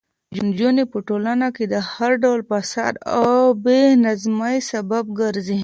نجونې په ټولنه کې د هر ډول فساد او بې نظمۍ سبب ګرځي.